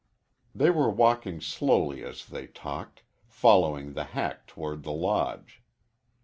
They were walking slowly as they talked, following the hack toward the Lodge.